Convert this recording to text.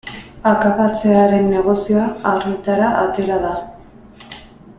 Akabatzearen negozioa argitara atera da.